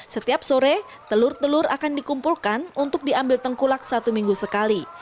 setiap sore telur telur akan dikumpulkan untuk diambil tengkulak satu minggu sekali